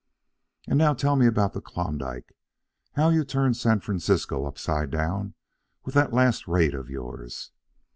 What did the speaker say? "And now tell me about the Klondike, and how you turned San Francisco upside down with that last raid of yours.